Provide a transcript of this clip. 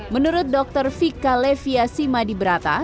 menurut dokter vika leviasi madi brata